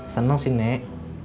seneng sih nek